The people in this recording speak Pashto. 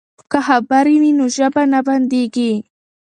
که خبرې وي نو ژبه نه بندیږي.